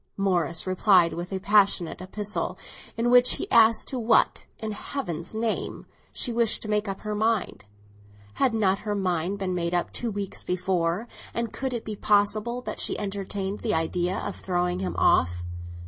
Morris replied with a passionate epistle, in which he asked to what, in Heaven's name, she wished to make up her mind. Had not her mind been made up two weeks before, and could it be possible that she entertained the idea of throwing him off?